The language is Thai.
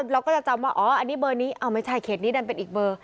เราก็จะจำว่าอ๋ออันนี้เบอร์นี้ไม่ใช่เขตนี้ดันเป็นอีกเบอร์